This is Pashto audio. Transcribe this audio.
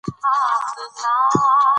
احمدشاه بابا د افغان ځوان نسل الهام وګرځيد.